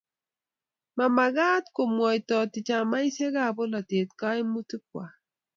mamekat ko mwaitata chamaisiekab bolatet kaimutikwach.